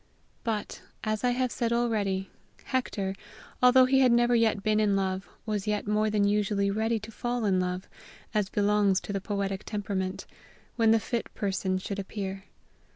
But, as I have said already, Hector, although he had never yet been in love, was yet more than usually ready to fall in love, as belongs to the poetic temperament, when the fit person should appear.